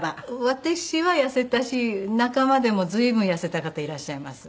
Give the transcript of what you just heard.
私は痩せたし仲間でも随分痩せた方いらっしゃいます。